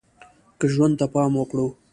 که ژوند ته پام وکړو